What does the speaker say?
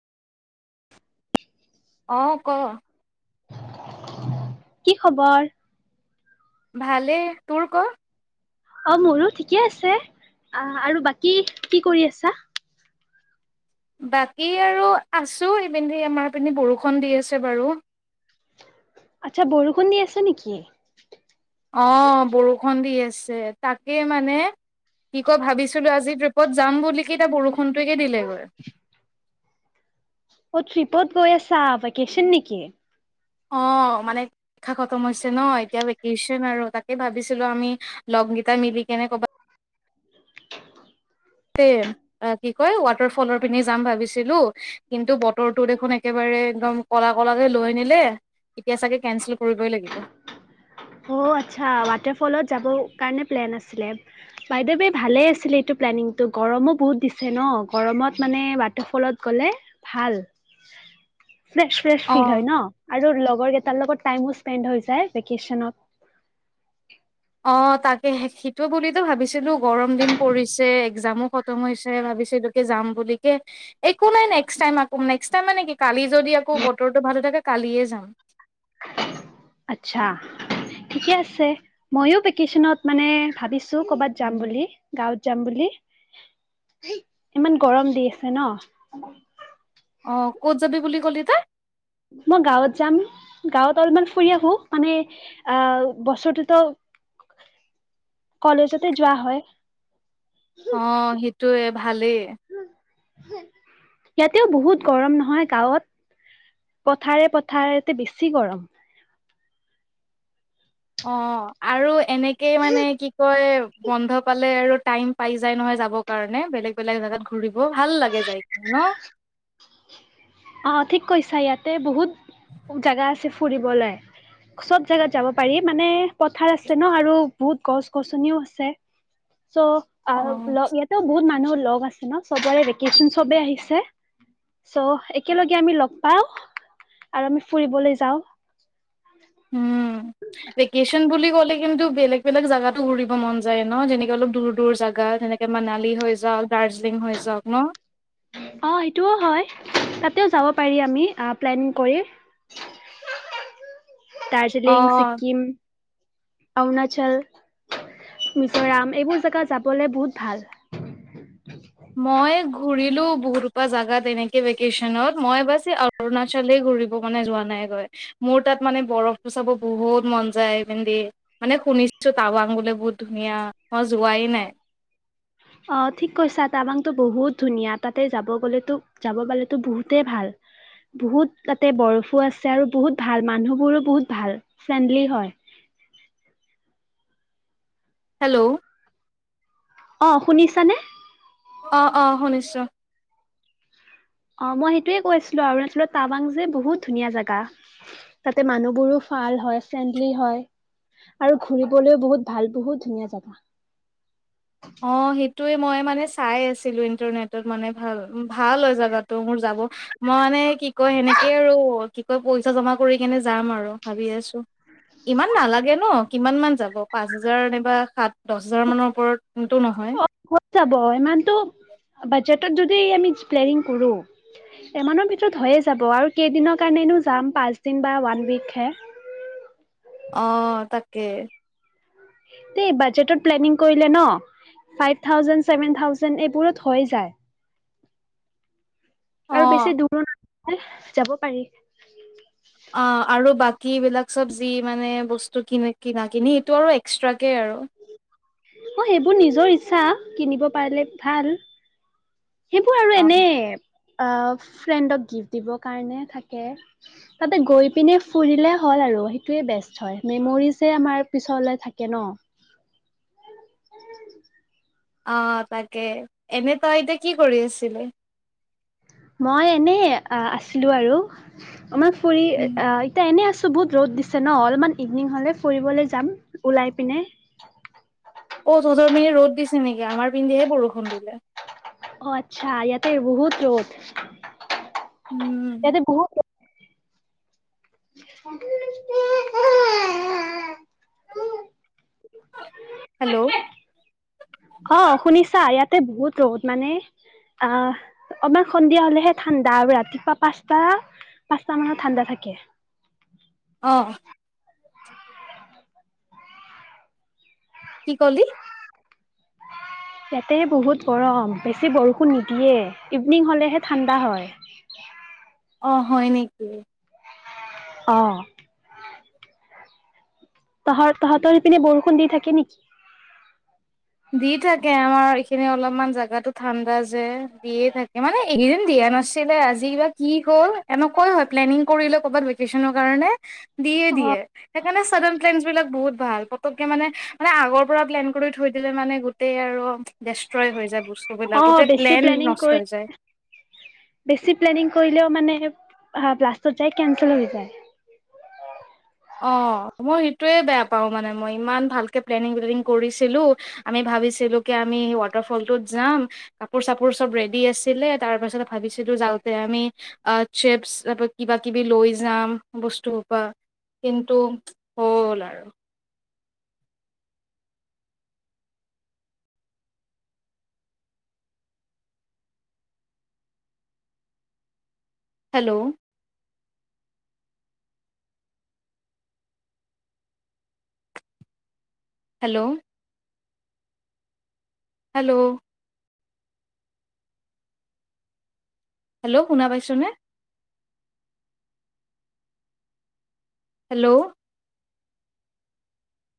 অ ক কি খবৰ? ভালে তোৰ ক। অ মোৰো ঠিকে আছে অ আৰু বাকী কি কৰি আছা? বাকী আৰু আছো এই পিন্ধি আমাৰ পিন্ধি বৰষুণ দি আছে বাৰু। আচ্ছা বৰষুণ দি আছে নেকি? অ বৰষুণ দি আছে। তাকে মানে কি কয় ভাবিছিলো আজি ট্ৰিপত যাম বুলি কিনে বৰষুণ। তুকে দিলেগৈ। অ ট্ৰিপত গৈ আছা ভেকেচন নেকি। [unintelligible] অ মানে পৰীক্ষা খতম হৈছে নহ, এতিয়া ভেকেশ্যন আৰু তাকে ভাবিছিলোঁ আমি লগকেইটা মিলি কেনে ক'বাত কি কয় ৱাটাৰফলৰ পেনে যাম ভাবিছিলোঁ কিন্তু বতৰটো দেখোন একেবাৰে একদম কলা কলাকৈ লৈ আনিলে এতিয়া চাগে কেনচেল কৰিবই লাগিব। অ' আচ্ছা ৱাটাৰফলত যাব কাৰণে প্লেন আছিলে বাইদা ৱে এই ভালেই আছিলে এইটো প্লেনিংটো গৰমো বহুত দিছে নহঁ গৰমত মানে ৱাটাৰফলত গলে ভাল। ফ্ৰেছ ফ্ৰেছ ফিল অ হয় ন আৰু লগৰ কেইটাৰ লগত টাইমো স্পেণ্ড হৈ যায় ভেকিচনত [inaudible] অ তাকে সিটো বুলিতো ভাবিছিলোঁ গৰম দিন পৰিছে একজামো খতম হৈছে ভাবিছিলোঁ কি যাম বুলি কে একো নাই নেক্সট টাইম আক নেক্সট টাইম মানে কি কালি যদি আকৌ বতৰটো ভালে থাকে কালিয়ে যাম। [inaudible] আচ্ছা ঠিকে আছে মইও ভেকেশনত মানে ভাবিছোঁ কৰ'বাত যাম বুলি গাঁৱত যাম বুলি ইমান গৰম দি আছে নহ। অ ক'ত যাবি বুলি কলি তই? মই গাঁৱত যাম গাঁৱত অলপমান ফুৰি আহোঁ মানে আহ বছৰটোত কলেজতে যোৱা হয়। অ সেইটোয়ে ভালে। ইয়াতেও বহুত গৰম নহয় গাঁৱত পথাৰে পথাৰেতে বেছি গৰম। অহ আৰু এনেকেই মানে কি কয়। বন্ধ পালে আৰু টাইম পাই যায় নহয় যাব। কাৰণে বেলেগ বেলেগ জেগাত ঘূৰিব ভাল লাগে যাই কিনে নহ। অ ঠিক কৈছা ইয়াতে বহুত জাগা আছে। ফুৰিবলৈ চব জেগাত যাব পাৰি মানে পথাৰ আছে নহ আৰু বহুত গছ গছনিও আছে। চ' অ ইয়াতে বহুত মা এনেও লগ আছে নহ, চবৰে ভেকেশন চবে আহিছে, চ একেলগে আমি লগ পাওঁ আৰু আমি ফুৰিবলৈ যাওঁ- উম ভেকেচন বুলি ক'লে কিন্তু বেলেগ বেলেগ জাগাত ঘুৰিব মন যায় নহ যেনেক অলপ দূৰ দূৰ জাগাত সেনেকে এ মানালী হৈ যাওঁক দাৰ্জিলিং হৈ যাওঁক নহ এতিয়াও যাব পাৰি আমি, আ প্লেন কৰি অ দাৰ্জিলিং ছিকিম অৰুণাচল মিজোৰাম এইবোৰ জেগা যাবলৈ বহুত ভাল। মই ঘূৰিলোঁ বহুত হোপা জাগাত এনেকে ভেকেশ্যনত মই বাছ অৰুণাচলে ঘূৰিব মানে যোৱা নাই। গৈ মোৰ তাত মানে বৰফটো চাব বহুত মন যায়। পিন্ধি মানে শুনিছো টাৱাং বোলে বহুত ধুনীয়া মই যোৱাই নাই। অ ঠিক কৈছা তাৱাংতো বহুত ধুনীয়া। তাতে যাব গলেতো যাব পালেতো বহুতেই ভাল। বহুত তাতে বৰফো আছে আৰু বহুত ভাল মানুহবোৰো বহুত ভাল ফ্ৰেণ্ডলি হয়। হেল্ল'। অ শুনিছানে? অহ অহ শুনিছোঁ। অ মই সেইটোয়ে কৈছিলোঁ অৰুণাচলৰ টাৱাং যে বহুত ধুনীয়া জাগা। তাতে মানুহবোৰো ভাল হয়। ফেণ্ডলি হয় আৰু ঘুৰিবলৈও বহুত ভাল বহুত ধুনীয়া জাগা। অ সেইটো। এটোৱে মই মানে চাই আছিলোঁ ইণ্টাৰনেটত মানে ভাল ভাল হয়। জাগাটো মোৰ যাব মই মানে কি কয় সেনেকে আৰু কি কয় পইচা জমা কৰি। কিনে যাম আৰু ভাবি আছোঁ। ইমান নালাগে ন কিমান মান যাব পাঁচ হাজাৰ নাইবা সাঁত দহ হেজাৰমানৰ ওপৰত সোনটো নহয়। অ হৈ যাব ইমানটো বাজেটত যদি আমি প্লেনিং কৰোঁ। ইমানৰ ভিতৰত হয়ে যাব আৰু কেইদিনৰ কাৰণেনো যাম পাঁচ দিন বা ওৱান উইকহে। কে বাজেটত প্লেনিং কৰিলে ন, ফাইভ থাউজেণ্ড চেভেন থাউজেণ্ড এইবোৰত হয় এ যায়। আৰু বেছি অ'। দূৰ,, যাব পাৰি। কি বিলাক চব্জি। মানে বস্তু ক কিনা কিনি সেইটো আৰু এক্সট্ৰাকে আৰু অ সেইবোৰ নিজৰ ইচ্ছা কিনিব পাৰিলে ভাল। সেইবোৰ আৰু এনে অ', আহ ফ্ৰেণ্ডক গিফ্ট দিবৰ কাৰণে থাকে তাতে গৈ পিনে ফুৰিলে হ'ল আৰু সেইটোৱে বেষ্ট হয় মেমৰিজে আমাৰ পিছলে থাকে ন। উ [unintelligible] অ তাকে এনে তই এতিয়া কি কৰি আছিলি। মই এনেই আছিলোঁ আৰু। আমাৰ ফুৰি আহ এতিয়া এনে আছোঁ। বহুত ৰ'দ দিছে ন অলপমান ইভনিং হলে ফুৰিবলৈ যাম, ওলাই পিনে। অ তঁহতৰ সেই পিনে ৰ'দ দিছে নেকি আমাৰ পিনেহে বৰষুণ দিছে। অ আচ্ছা ইয়াতে বহুত ৰ'দ। উম ইয়াতে বহুত [unintelligible] হেল্ল' অ শুনিছা ইয়াতে বহুত ৰদ মানে আহ অকমান সন্ধিয়া হলেহে ঠাণ্ডা আৰু ৰাতিপুৱা পাঁচটা, পাঁচটা মানত ঠাণ্ডা থাকে। অঁ কি কলি? ইয়াতে বহুত গৰম বেছি বৰষুণ নিদিয়ে ইভিনিং হলেহে ঠাণ্ডা হয়। অ হয় নেকি? অ তহঁত তহতৰ সেইপিনে বৰষুণ দি থাকে নেকি? দি থাকে অ, আমাৰ এইখিনি অলপমান জেগাতো ঠাণ্ডা যে দিয়ে থাকে মানে এইকেইদিন দিয়া নাছিলে আজি কিবাক কি হ'ল এনেকুৱাই হয় প্লেনিং কৰিলোঁ। কবাত ভেকেচনৰ কাৰণে দিয়ে দিয়ে অ', সেইকাৰণে ছাডেন ট্ৰেণ্ছ বিলাক বহুত। ভাল পতককে মানে, মানে আগৰ পৰা প্লেন কৰি থৈ। থাকিলে মানে গোটেই আৰু ডেষ্ট্ৰয় হৈ যায় বস্তুবিলাক অ', গোতেই বেছি প্লেন প্লেনিং নষ্ট কৰি হৈ যায়। বেছি প্লেনিং কৰিলেও মানে লাষ্টত যায় কেনচেল হৈ যায়। অ মই সেইটোৱে বেয়া পাওঁ মানে মই ইমান ভালকে প্লেনিং প্লেনিং কৰিছিলোঁ, আমি ভাবিছিলো কি আমি ৱাটাৰ ফলটোত যাম কাপোৰ চাপোৰ চব ৰেডি আছিলে তাৰ পাছত ভাবিছিলো যাওঁতে আমি চেপছ ত কিবা কিবি লৈ যাম বস্তু হোপা। কিন্তু হ'ল আৰু। Hello hello hello. হেল্ল'। শুনা পাইছোনে? হেল্ল'।